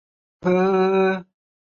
带出旅馆边吃午餐